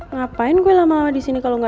ngapain gue lama lama disini kalo gak ada boy